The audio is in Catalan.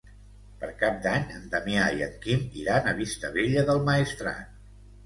Per Cap d'Any en Damià i en Quim iran a Vistabella del Maestrat.